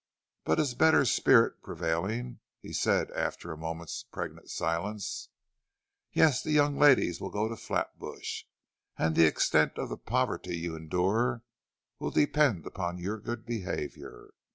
But his better spirit prevailing, he said, after a moment's pregnant silence: "Yes; the young ladies will go to Flatbush, and the extent of the poverty you endure will depend upon your good behavior.